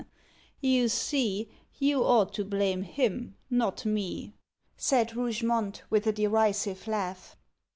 "You see you ought to blame him, not me," said Rougemont, with a derisive laugh.